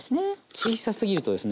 小さすぎるとですね